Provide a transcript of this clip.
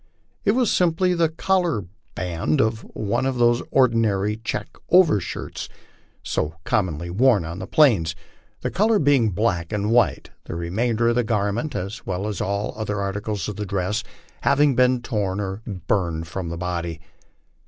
"It was simply the collar band of one oi those ordinary check overshirts so commonly worn on the plains, the color being black and white; the remainder of the garment, as well as all other articles of dress, having been torn or burned from the body."